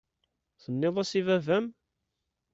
Tenniḍ-as i baba-m?